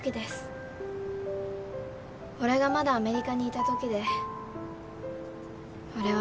俺がまだアメリカにいたときで俺はそのとき。